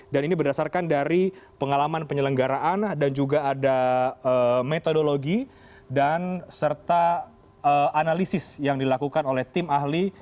dan ini berdasarkan dari pengalaman penyelenggaraan dan juga ada metodologi dan serta analisis yang dilakukan oleh tim ahli